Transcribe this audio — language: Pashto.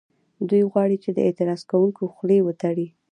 دوی غواړي چې د اعتراض کوونکو خولې وتړي